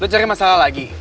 lo cari masalah lagi